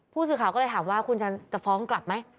ผู้สื่อข่าวก็เลยถามว่าคุณชันจะฟ้องกลับไหม